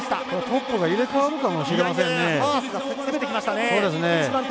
トップが入れ代わるかもしれません。